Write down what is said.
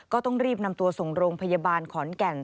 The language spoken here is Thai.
ก็ต้องรีบนำตัวส่งโรงพยาบาลขอนแก่น